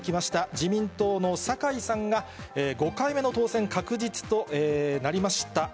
自民党の坂井さんが、５回目の当選確実となりました。